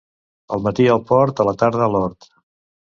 El matí al port, a la tarda a l'hort.